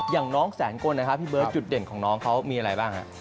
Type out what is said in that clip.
อย่างน้องแสนกลนะครับพี่เบิร์ดจุดเด่นของน้องเขามีอะไรบ้างฮะ